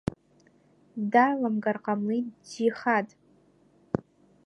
Даламгар ҟамлеит џьихад.